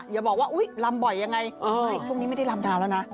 อย่าบอกว่าอุ๊ยลำบ่อยยังไงช่วงนี้ไม่ได้ลำดาวแล้วนะ